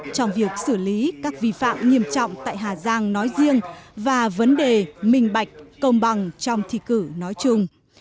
trong việc xử lý các vi phạm nghiêm trọng tại hà giang nói riêng và vấn đề minh bạch công bằng trong thi cử nói chung